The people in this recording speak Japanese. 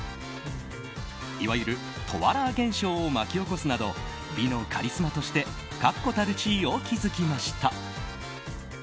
いわゆるトワラー現象を巻き起こすなど美のカリスマとして確固たる地位を築きました。